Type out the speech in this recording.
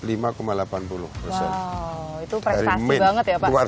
itu prestasi banget ya pak